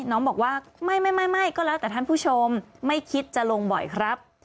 น้องบอกว่าไม่ก็แล้วแต่ท่านผู้ชมไม่คิดจะลงบ่อยครับ